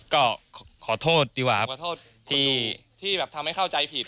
ก็ขอโทษดีกว่าที่ทำให้เข้าใจผิด